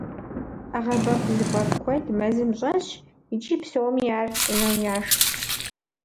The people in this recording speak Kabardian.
Ӏэгъэбэгу зыфӏэфӏ куэд мэзым щӏэсщ, икӏи псоми ар цӏынэу яшх.